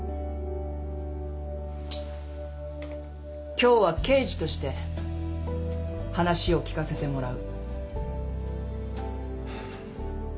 今日は刑事として話を聞かせてもらう。